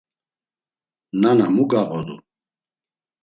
Nana mu gağodu?